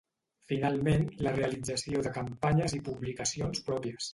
Finalment la realització de campanyes i publicacions pròpies.